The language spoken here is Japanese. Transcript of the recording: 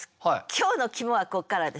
今日の肝はこっからです。